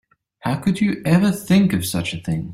How could you ever think of such a thing?